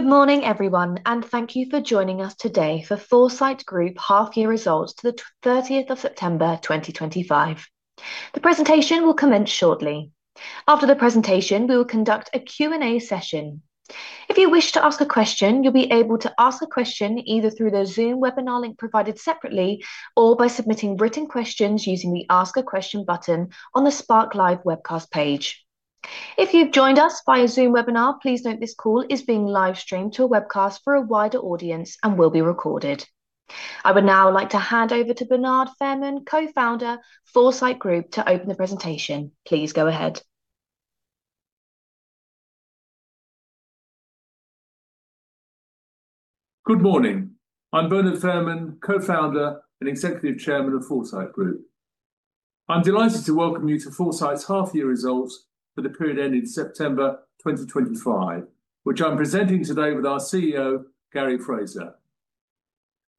Good morning, everyone, and thank you for joining us today for Foresight Group Half-year Results to the 30th of September, 2025. The presentation will commence shortly. After the presentation, we will conduct a Q&A session. If you wish to ask a question, you'll be able to ask a question either through the Zoom webinar link provided separately or by submitting written questions using the Ask a Question button on the Spark Live webcast page. If you've joined us via Zoom webinar, please note this call is being livestreamed to a webcast for a wider audience and will be recorded. I would now like to hand over to Bernard Fairman, Co-founder of Foresight Group, to open the presentation. Please go ahead. Good morning. I'm Bernard Fairman, Co-founder and Executive Chairman of Foresight Group. I'm delighted to welcome you to Foresight's half-year results for the period ending September 2025, which I'm presenting today with our CEO, Gary Fraser.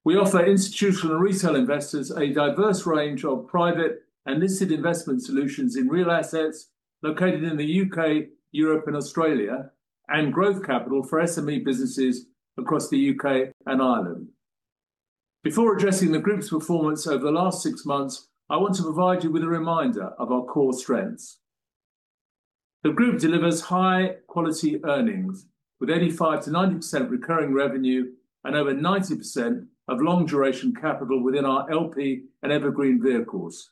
We offer institutional and retail investors a diverse range of private and listed investment solutions in real assets located in the U.K., Europe, and Australia, and growth capital for SME businesses across the U.K. and Ireland. Before addressing the Group's performance over the last six months, I want to provide you with a reminder of our core strengths. The Group delivers high-quality earnings with 85%-90% recurring revenue and over 90% of long-duration capital within our LP and Evergreen vehicles.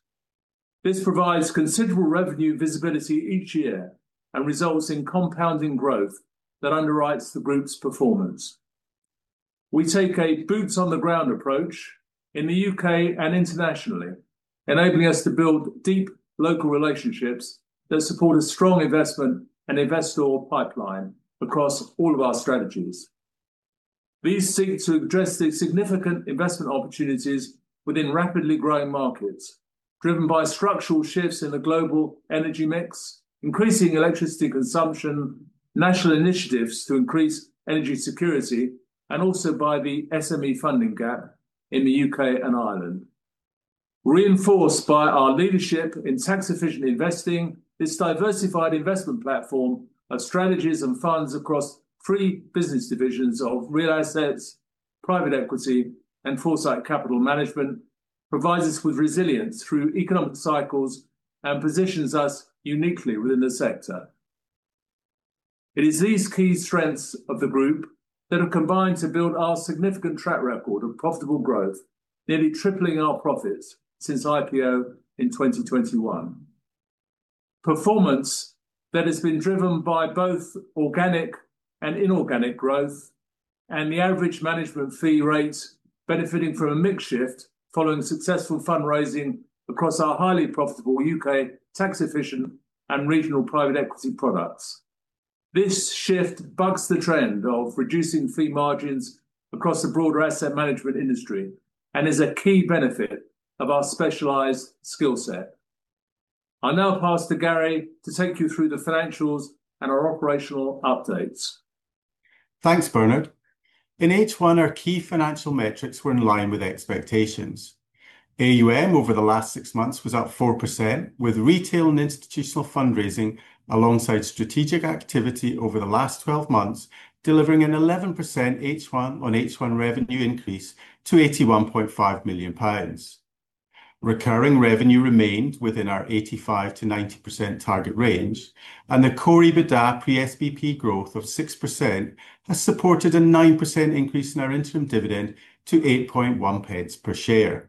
This provides considerable revenue visibility each year and results in compounding growth that underwrites the Group's performance. We take a boots-on-the-ground approach in the U.K. and internationally, enabling us to build deep local relationships that support a strong investment and investor pipeline across all of our strategies. These seek to address the significant investment opportunities within rapidly growing markets driven by structural shifts in the global energy mix, increasing electricity consumption, national initiatives to increase energy security, and also by the SME funding gap in the U.K. and Ireland. Reinforced by our leadership in tax-efficient investing, this diversified investment platform of strategies and funds across three business divisions of real assets, private equity, and Foresight Capital Management provides us with resilience through economic cycles and positions us uniquely within the sector. It is these key strengths of the Group that have combined to build our significant track record of profitable growth, nearly tripling our profits since IPO in 2021. Performance that has been driven by both organic and inorganic growth and the average management fee rates benefiting from a mix shift following successful fundraising across our highly profitable U.K. tax-efficient and regional private equity products. This shift bucks the trend of reducing fee margins across the broader asset management industry and is a key benefit of our specialized skill set. I'll now pass to Gary to take you through the financials and our operational updates. Thanks, Bernard. In H1, our key financial metrics were in line with expectations. AUM over the last six months was up 4%, with retail and institutional fundraising alongside strategic activity over the last 12 months delivering an 11% H1 on H1 revenue increase to 81.5 million pounds. Recurring revenue remained within our 85%-90% target range, and the core EBITDA pre-SBP growth of 6% has supported a 9% increase in our interim dividend to 0.081 per share.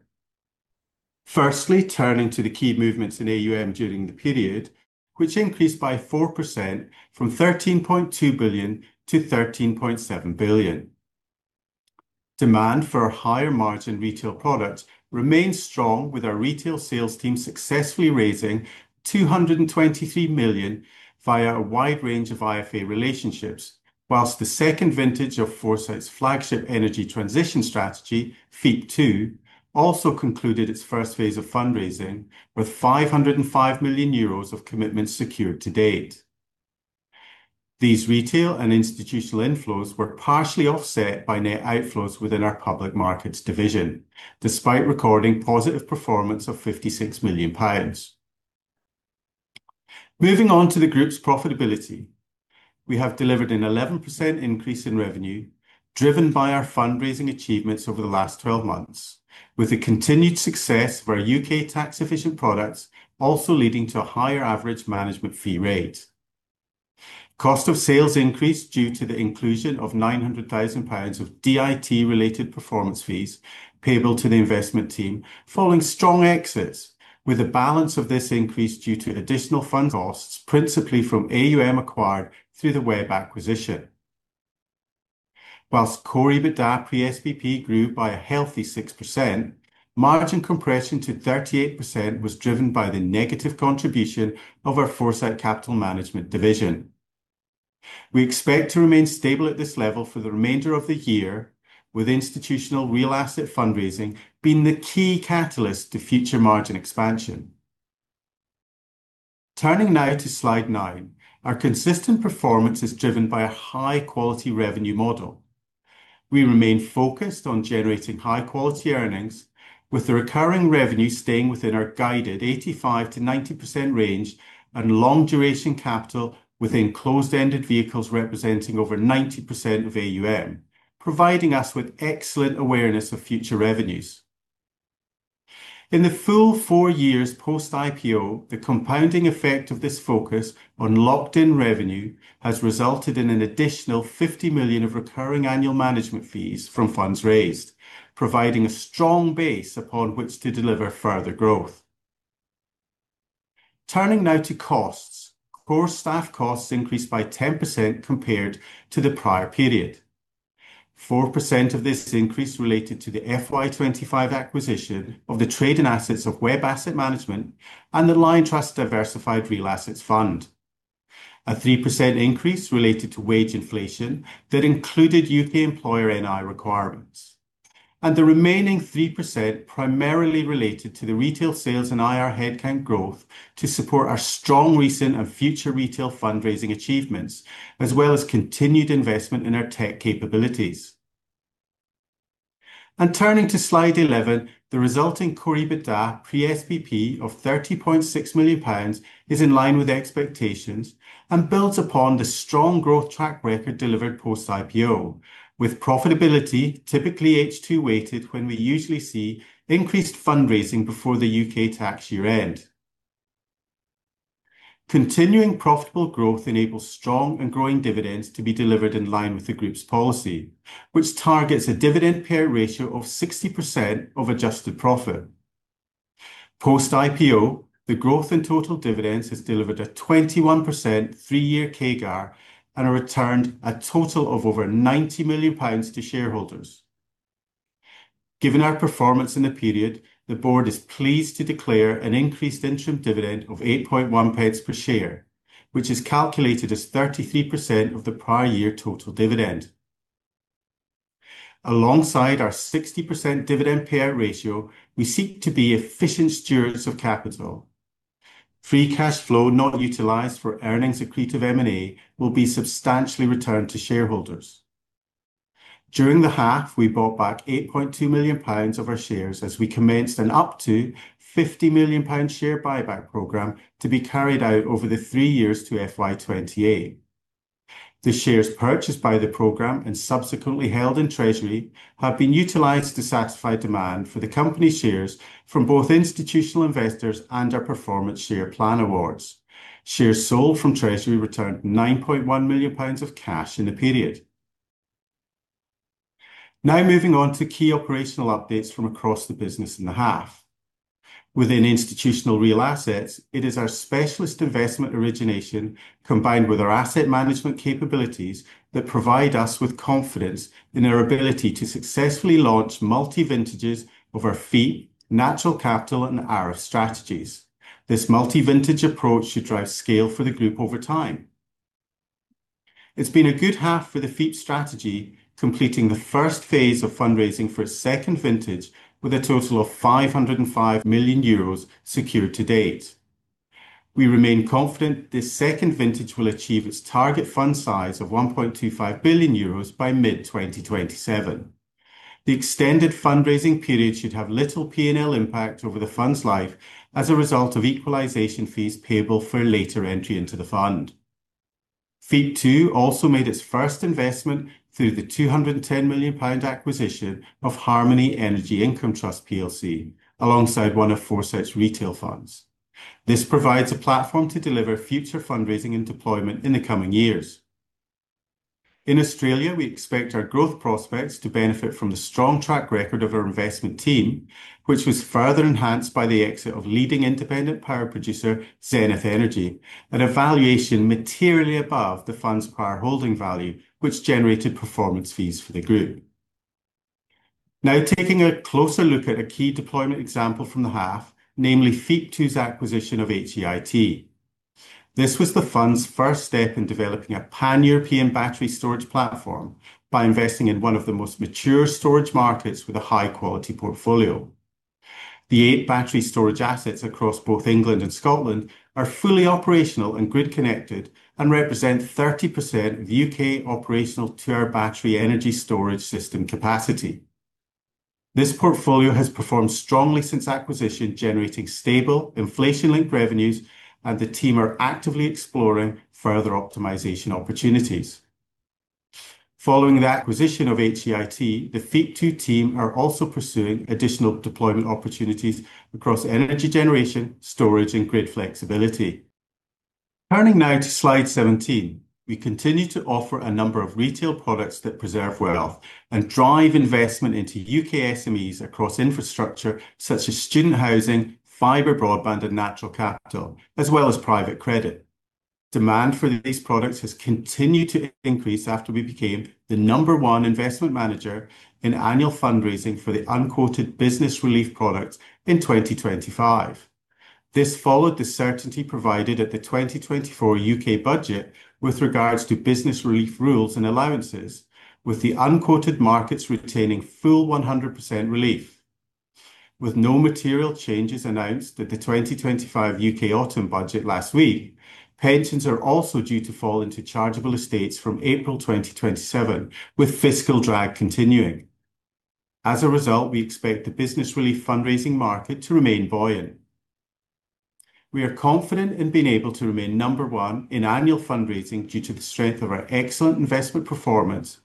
Firstly, turning to the key movements in AUM during the period, which increased by 4% from 13.2 billion to 13.7 billion. Demand for our higher-margin retail products remained strong, with our retail sales team successfully raising 223 million via a wide range of IFA relationships, whilst the second vintage of Foresight's flagship energy transition strategy, FEAP2, also concluded its first phase of fundraising with 505 million euros of commitment secured to date. These retail and institutional inflows were partially offset by net outflows within our public markets division, despite recording positive performance of 56 million pounds. Moving on to the Group's profitability, we have delivered an 11% increase in revenue driven by our fundraising achievements over the last 12 months, with the continued success of our U.K. tax-efficient products also leading to a higher average management fee rate. Cost of sales increased due to the inclusion of 900,000 pounds of DIT-related performance fees payable to the investment team following strong exits, with a balance of this increase due to additional fund costs principally from AUM acquired through the Web acquisition. Whilst core EBITDA pre-SBP grew by a healthy 6%, margin compression to 38% was driven by the negative contribution of our Foresight Capital Management division. We expect to remain stable at this level for the remainder of the year, with institutional real asset fundraising being the key catalyst to future margin expansion. Turning now to slide nine, our consistent performance is driven by a high-quality revenue model. We remain focused on generating high-quality earnings, with the recurring revenue staying within our guided 85%-90% range and long-duration capital within closed-ended vehicles representing over 90% of AUM, providing us with excellent awareness of future revenues. In the full four years post-IPO, the compounding effect of this focus on locked-in revenue has resulted in an additional 50 million of recurring annual management fees from funds raised, providing a strong base upon which to deliver further growth. Turning now to costs, core staff costs increased by 10% compared to the prior period. 4% of this increase related to the FY 2025 acquisition of the trade and assets of Web Asset Management and the Liontrust Diversified Real Assets Fund. A 3% increase related to wage inflation that included U.K. employer NI requirements. The remaining 3% primarily related to the retail sales and IR headcount growth to support our strong recent and future retail fundraising achievements, as well as continued investment in our tech capabilities. Turning to slide 11, the resulting core EBITDA pre-SBP of 30.6 million pounds is in line with expectations and builds upon the strong growth track record delivered post-IPO, with profitability typically H2-weighted when we usually see increased fundraising before the U.K. tax year end. Continuing profitable growth enables strong and growing dividends to be delivered in line with the Group's policy, which targets a dividend pay ratio of 60% of adjusted profit. Post-IPO, the growth in total dividends has delivered a 21% three-year CAGR and returned a total of over 90 million pounds to shareholders. Given our performance in the period, the Board is pleased to declare an increased interim dividend of 8.1 pence per share, which is calculated as 33% of the prior year total dividend. Alongside our 60% dividend pay ratio, we seek to be efficient stewards of capital. Free cash flow not utilized for earnings accretive M&A will be substantially returned to shareholders. During the half, we bought back 8.2 million pounds of our shares as we commenced an up to 50 million pound share buyback program to be carried out over the three years to FY28. The shares purchased by the program and subsequently held in Treasury have been utilized to satisfy demand for the company shares from both institutional investors and our performance share plan awards. Shares sold from Treasury returned 9.1 million pounds of cash in the period. Now moving on to key operational updates from across the business in the half. Within institutional real assets, it is our specialist investment origination combined with our asset management capabilities that provide us with confidence in our ability to successfully launch multi-vintages of our FEAP, natural capital, and RF strategies. This multi-vintage approach should drive scale for the Group over time. It has been a good half for the FEAP strategy, completing the first phase of fundraising for its second vintage with a total of 505 million euros secured to date. We remain confident this second vintage will achieve its target fund size of 1.25 billion euros by mid-2027. The extended fundraising period should have little P&L impact over the fund's life as a result of equalization fees payable for later entry into the fund. FEAP2 also made its first investment through the 210 million pound acquisition of Harmony Energy Income Trust Plc alongside one of Foresight's retail funds. This provides a platform to deliver future fundraising and deployment in the coming years. In Australia, we expect our growth prospects to benefit from the strong track record of our investment team, which was further enhanced by the exit of leading independent power producer Zenith Energy, an evaluation materially above the fund's prior holding value, which generated performance fees for the Group. Now taking a closer look at a key deployment example from the half, namely FEIP II's acquisition of HEIT. This was the fund's first step in developing a pan-European battery storage platform by investing in one of the most mature storage markets with a high-quality portfolio. The eight battery storage assets across both England and Scotland are fully operational and grid-connected and represent 30% of U.K. operational two-hour battery energy storage system capacity. This portfolio has performed strongly since acquisition, generating stable inflation-linked revenues, and the team are actively exploring further optimization opportunities. Following that acquisition of HEIT, the FEIP II team are also pursuing additional deployment opportunities across energy generation, storage, and grid flexibility. Turning now to slide 17, we continue to offer a number of retail products that preserve wealth and drive investment into U.K. SMEs across infrastructure such as student housing, fiber broadband, and natural capital, as well as private credit. Demand for these products has continued to increase after we became the number one investment manager in annual fundraising for the unquoted business relief products in 2025. This followed the certainty provided at the 2024 U.K. budget with regards to business relief rules and allowances, with the unquoted markets retaining full 100% relief. With no material changes announced at the 2025 U.K. autumn budget last week, pensions are also due to fall into chargeable estates from April 2027, with fiscal drag continuing. As a result, we expect the business relief fundraising market to remain buoyant. We are confident in being able to remain number one in annual fundraising due to the strength of our excellent investment performance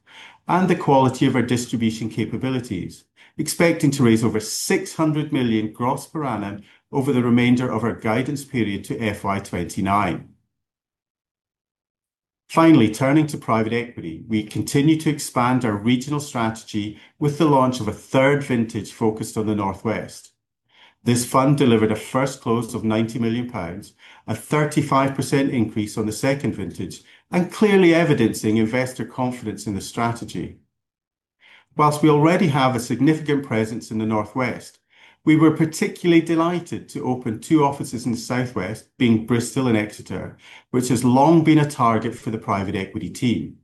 and the quality of our distribution capabilities, expecting to raise over 600 million gross per annum over the remainder of our guidance period to FY 2029. Finally, turning to private equity, we continue to expand our regional strategy with the launch of a third vintage focused on the Northwest. This fund delivered a first close of 90 million pounds, a 35% increase on the second vintage, and clearly evidencing investor confidence in the strategy. Whilst we already have a significant presence in the Northwest, we were particularly delighted to open two offices in the Southwest, being Bristol and Exeter, which has long been a target for the private equity team.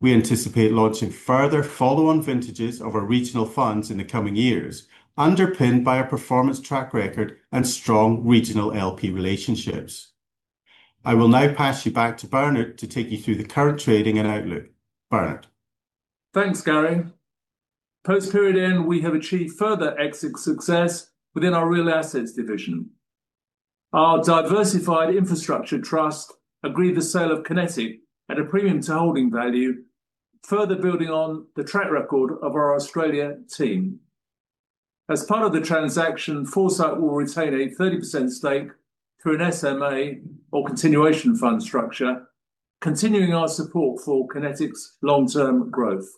We anticipate launching further follow-on vintages of our regional funds in the coming years, underpinned by our performance track record and strong regional LP relationships. I will now pass you back to Bernard to take you through the current trading and outlook. Bernard. Thanks, Gary. Post-period end, we have achieved further exit success within our real assets division. Our diversified infrastructure trust agreed the sale of Kinetic at a premium to holding value, further building on the track record of our Australia team. As part of the transaction, Foresight will retain a 30% stake through an SMA or continuation fund structure, continuing our support for Kinetic's long-term growth.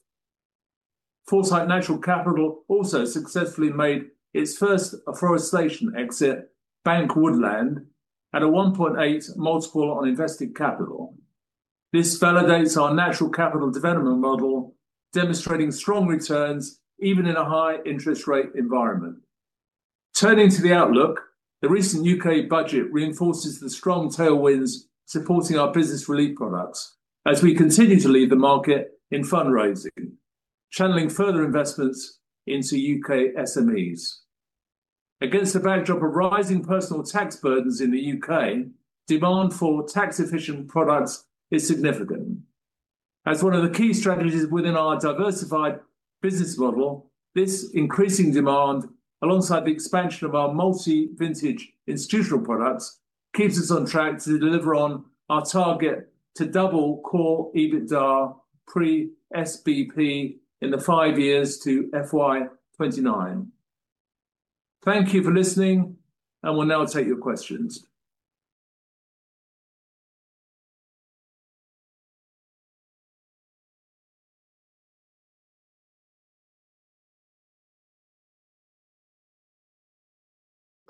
Foresight Natural Capital also successfully made its first forestation exit, Bank Woodland, at a 1.8 multiple on invested capital. This validates our natural capital development model, demonstrating strong returns even in a high interest rate environment. Turning to the outlook, the recent U.K. budget reinforces the strong tailwinds supporting our business relief products as we continue to lead the market in fundraising, channeling further investments into U.K. SMEs. Against the backdrop of rising personal tax burdens in the U.K., demand for tax-efficient products is significant. As one of the key strategies within our diversified business model, this increasing demand, alongside the expansion of our multi-vintage institutional products, keeps us on track to deliver on our target to double core EBITDA pre-SBP in the five years to FY 2029. Thank you for listening, and we'll now take your questions.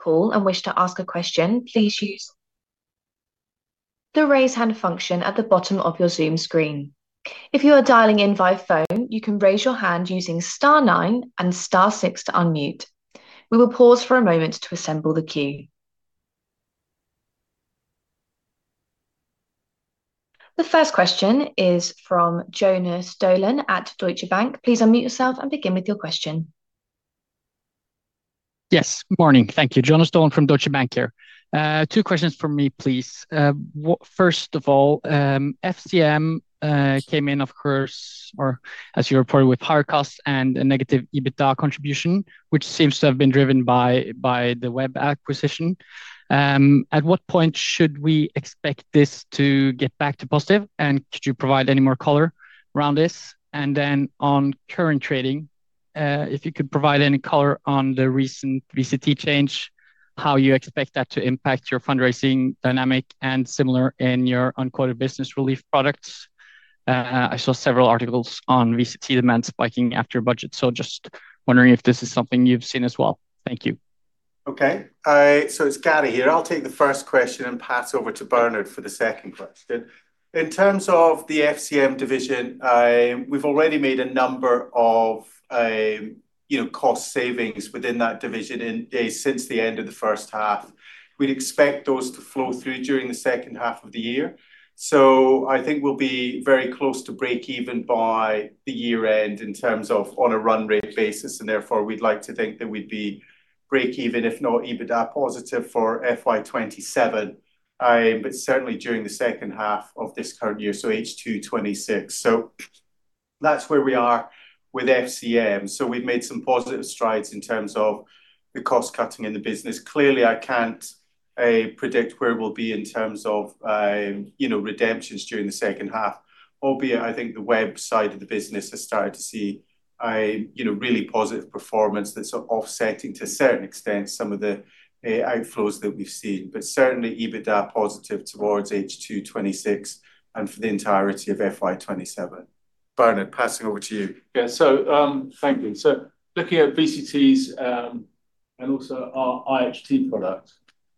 If you wish to ask a question, please use the raise hand function at the bottom of your Zoom screen. If you are dialing in via phone, you can raise your hand using star nine and star six to unmute. We will pause for a moment to assemble the queue. The first question is from Jonas Døhlen at Deutsche Bank. Please unmute yourself and begin with your question. Yes, good morning. Thank you. Jonas Dolan from Deutsche Bank here. Two questions for me, please. First of all, FCM came in, of course, or as you reported, with higher costs and a negative EBITDA contribution, which seems to have been driven by the Web Asset Management acquisition. At what point should we expect this to get back to positive? Could you provide any more color around this? On current trading, if you could provide any color on the recent VCT change, how you expect that to impact your fundraising dynamic and similar in your unquoted business relief products? I saw several articles on VCT demand spiking after budget, so just wondering if this is something you've seen as well. Thank you. Okay, so it's Gary here. I'll take the first question and pass over to Bernard for the second question. In terms of the FCM division, we've already made a number of cost savings within that division since the end of the first half. We'd expect those to flow through during the second half of the year. I think we'll be very close to break even by the year-end in terms of on a run rate basis. Therefore, we'd like to think that we'd be break even, if not EBITDA positive for FY 2027, but certainly during the second half of this current year, so H2 2026. That's where we are with FCM. We've made some positive strides in terms of the cost cutting in the business. Clearly, I can't predict where we'll be in terms of redemptions during the second half, albeit I think the web side of the business has started to see really positive performance that's offsetting to a certain extent some of the outflows that we've seen. Certainly EBITDA positive towards H2 2026 and for the entirety of FY 2027. Bernard, passing over to you. Yeah. Thank you. Looking at VCTs and also our IHT product,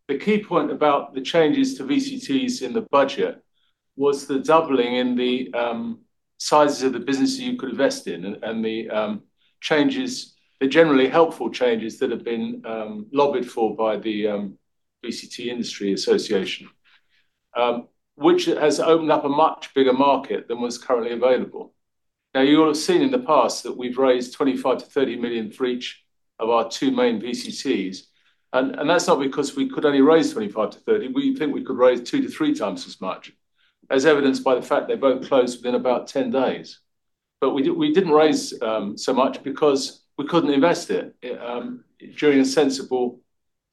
the key point about the changes to VCTs in the budget was the doubling in the sizes of the businesses you could invest in and the generally helpful changes that have been lobbied for by the VCT Industry Association, which has opened up a much bigger market than was currently available. Now, you'll have seen in the past that we've raised 25 million-30 million for each of our two main VCTs. That's not because we could only raise 25 million-30 million. We think we could raise two to three times as much, as evidenced by the fact they both closed within about 10 days. We did not raise so much because we could not invest it during a sensible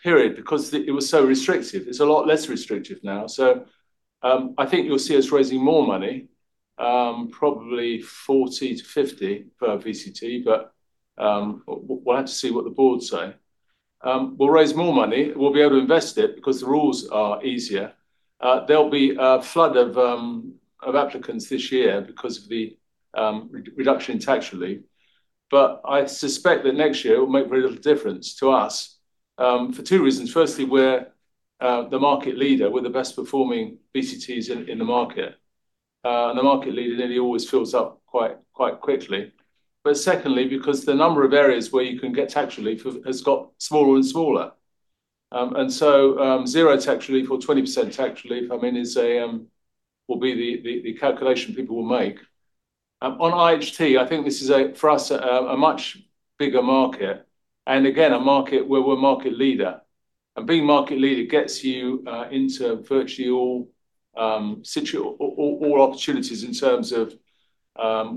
period because it was so restrictive. It is a lot less restrictive now. I think you will see us raising more money, probably 40-50 per VCT, but we will have to see what the boards say. We will raise more money. We will be able to invest it because the rules are easier. There will be a flood of applicants this year because of the reduction in tax relief. I suspect that next year it will make very little difference to us for two reasons. Firstly, we are the market leader. We are the best-performing VCTs in the market. The market leader nearly always fills up quite quickly. Secondly, because the number of areas where you can get tax relief has got smaller and smaller. Zero tax relief or 20% tax relief, I mean, will be the calculation people will make. On IHT, I think this is for us a much bigger market. Again, a market where we're market leader. Being market leader gets you into virtually all opportunities in terms of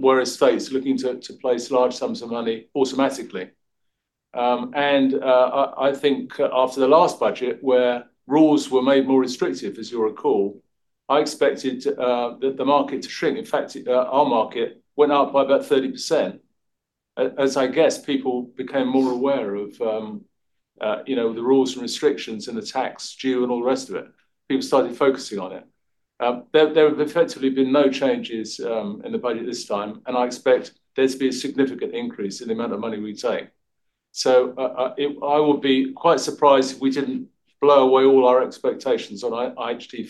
where estates are looking to place large sums of money automatically. I think after the last budget, where rules were made more restrictive, as you recall, I expected the market to shrink. In fact, our market went up by about 30% as I guess people became more aware of the rules and restrictions and the tax due and all the rest of it. People started focusing on it. There have effectively been no changes in the budget this time, and I expect there to be a significant increase in the amount of money we take. I would be quite surprised if we did not blow away all our expectations on IHT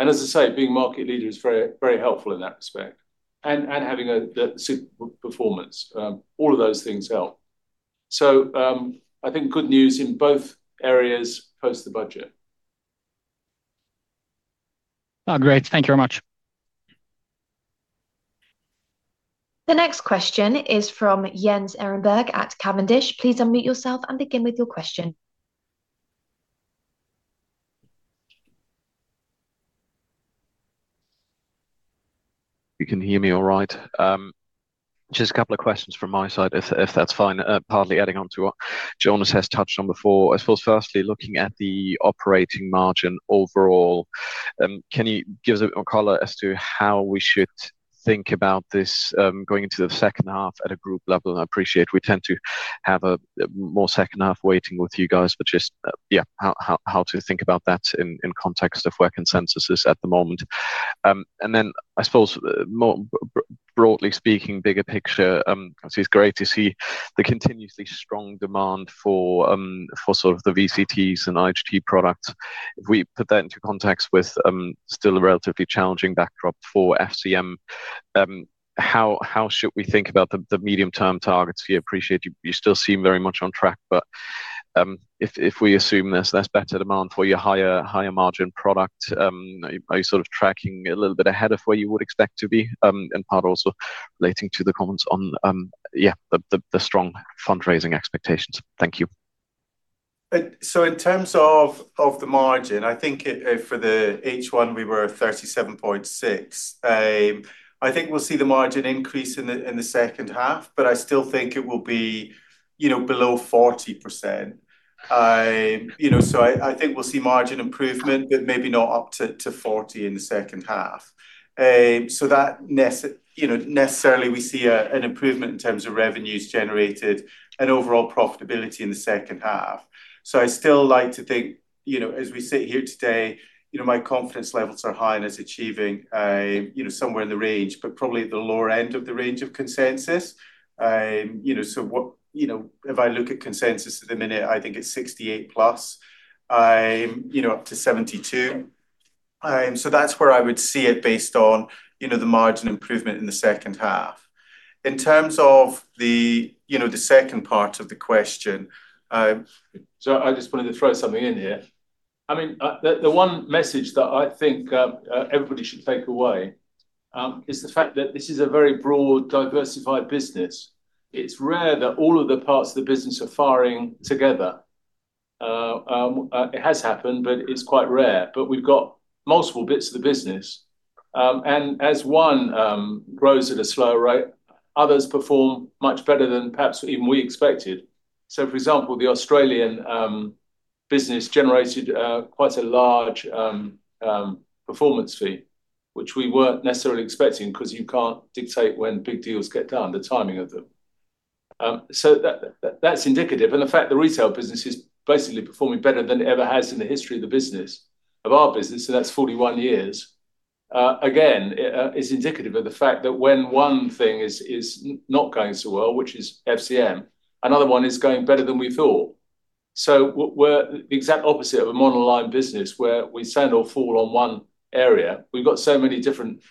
fundraising. As I say, being market leader is very helpful in that respect and having the super performance. All of those things help. I think good news in both areas post the budget. Great. Thank you very much. The next question is from Jens Ehrenberg at Cavendish. Please unmute yourself and begin with your question. You can hear me all right. Just a couple of questions from my side, if that's fine. Partly adding on to what Jonas has touched on before. I suppose firstly, looking at the operating margin overall, can you give us a bit more color as to how we should think about this going into the second half at a group level? I appreciate we tend to have a more second half weighting with you guys, but just, yeah, how to think about that in context of work and censuses at the moment. I suppose more broadly speaking, bigger picture, it's great to see the continuously strong demand for sort of the VCTs and IHT products. If we put that into context with still a relatively challenging backdrop for FCM, how should we think about the medium-term targets? We appreciate you still seem very much on track, but if we assume there is less better demand for your higher margin product, are you sort of tracking a little bit ahead of where you would expect to be? Part also relating to the comments on, yeah, the strong fundraising expectations. Thank you. In terms of the margin, I think for the H1, we were 37.6%. I think we'll see the margin increase in the second half, but I still think it will be below 40%. I think we'll see margin improvement, but maybe not up to 40% in the second half. That necessarily means we see an improvement in terms of revenues generated and overall profitability in the second half. I still like to think, as we sit here today, my confidence levels are high and it's achieving somewhere in the range, but probably at the lower end of the range of consensus. If I look at consensus at the minute, I think it's 68 plus, up to 72. That's where I would see it based on the margin improvement in the second half. In terms of the second part of the question. I just wanted to throw something in here. I mean, the one message that I think everybody should take away is the fact that this is a very broad, diversified business. It's rare that all of the parts of the business are firing together. It has happened, but it's quite rare. We have got multiple bits of the business. As one grows at a slower rate, others perform much better than perhaps even we expected. For example, the Australian business generated quite a large performance fee, which we were not necessarily expecting because you cannot dictate when big deals get done, the timing of them. That is indicative. The fact the retail business is basically performing better than it ever has in the history of the business, of our business, and that is 41 years. Again, it's indicative of the fact that when one thing is not going so well, which is FCM, another one is going better than we thought. We are the exact opposite of a monoline business where we stand or fall on one area. We have so many different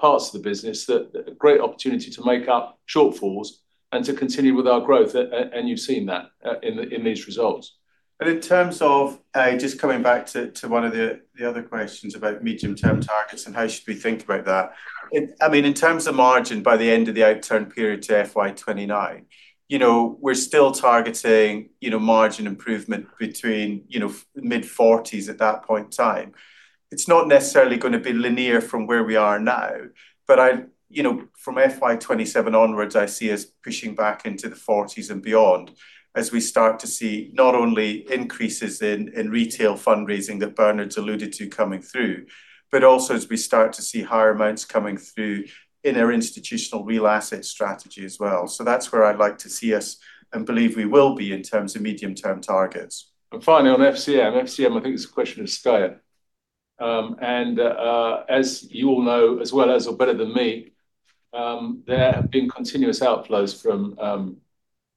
parts of the business that a great opportunity to make up shortfalls and to continue with our growth. You have seen that in these results. In terms of just coming back to one of the other questions about medium-term targets and how should we think about that? I mean, in terms of margin by the end of the outturn period to FY 2029, we are still targeting margin improvement between mid-40s at that point in time. It is not necessarily going to be linear from where we are now, but from FY 2027 onwards, I see us pushing back into the 40s and beyond as we start to see not only increases in retail fundraising that Bernard alluded to coming through, but also as we start to see higher amounts coming through in our institutional real asset strategy as well. That is where I would like to see us and believe we will be in terms of medium-term targets. Finally, on FCM, FCM, I think it's a question of scale. As you all know, as well as or better than me, there have been continuous outflows from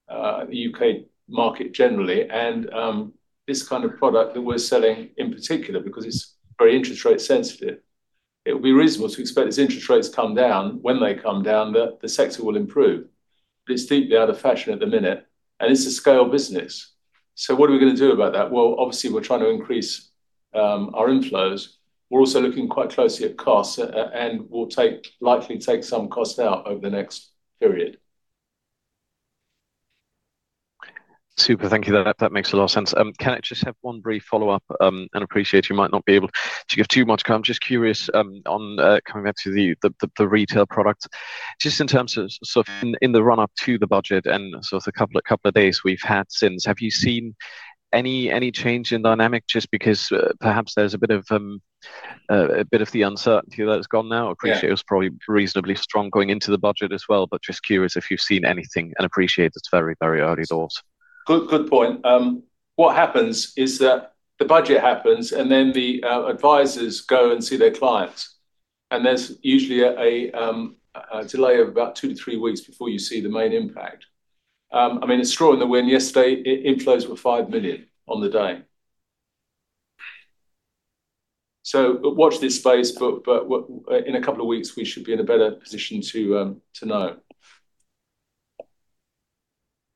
the U.K. market generally. This kind of product that we're selling in particular, because it's very interest rate sensitive, it would be reasonable to expect as interest rates come down, when they come down, that the sector will improve. It is deeply out of fashion at the minute, and it's a scale business. What are we going to do about that? Obviously, we're trying to increase our inflows. We're also looking quite closely at costs, and we'll likely take some costs out over the next period. Super. Thank you. That makes a lot of sense. Can I just have one brief follow-up? I appreciate you might not be able to give too much comment. Just curious on coming back to the retail product. Just in terms of in the run-up to the budget and the couple of days we've had since, have you seen any change in dynamic just because perhaps there's a bit of the uncertainty that's gone now? I appreciate it was probably reasonably strong going into the budget as well, but just curious if you've seen anything and appreciate it's very, very early doors. Good point. What happens is that the budget happens, and then the advisors go and see their clients. There's usually a delay of about two to three weeks before you see the main impact. I mean, a straw in the wind. Yesterday, inflows were 5 million on the day. Watch this space, but in a couple of weeks, we should be in a better position to know.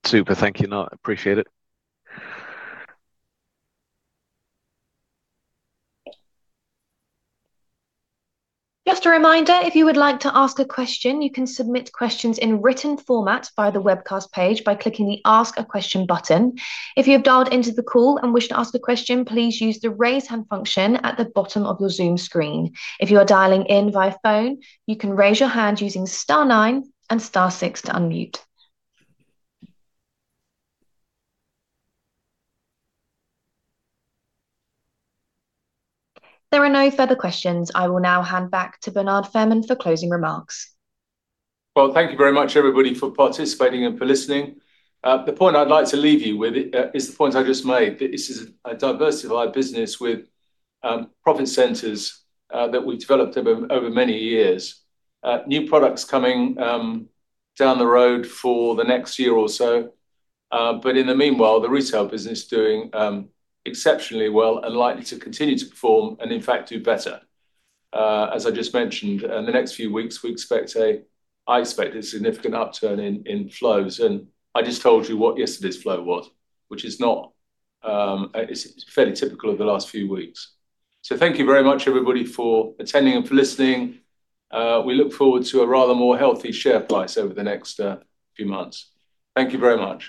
Super. Thank you. Appreciate it. Just a reminder, if you would like to ask a question, you can submit questions in written format by the webcast page by clicking the Ask a Question button. If you have dialed into the call and wish to ask a question, please use the raise hand function at the bottom of your Zoom screen. If you are dialing in via phone, you can raise your hand using star nine and star six to unmute. There are no further questions. I will now hand back to Bernard Fairman for closing remarks. Thank you very much, everybody, for participating and for listening. The point I'd like to leave you with is the points I just made. This is a diversified business with profit centers that we've developed over many years. New products coming down the road for the next year or so. In the meanwhile, the retail business is doing exceptionally well and likely to continue to perform and, in fact, do better. As I just mentioned, in the next few weeks, we expect a, I expect a significant upturn in flows. I just told you what yesterday's flow was, which is not, it's fairly typical of the last few weeks. Thank you very much, everybody, for attending and for listening. We look forward to a rather more healthy share price over the next few months. Thank you very much.